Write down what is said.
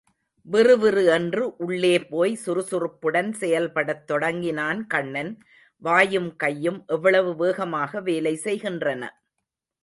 விறுவிறு என்று உள்ளே போய், சுறுசுறுப்புடன் செயல்படத் தொடங்கினான் கண்ணன், வாயும் கையும் எவ்வளவு வேகமாக வேலை செய்கின்றன!